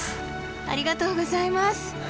ありがとうございます。